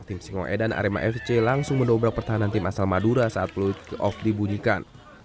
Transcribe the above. tim singoedan arema fc langsung mendobrak pertahanan tim asal madura saat peluit kick off dibunyikan